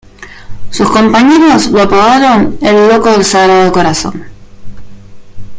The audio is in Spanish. Sus compañeros lo apodaron "el loco del Sagrado Corazón".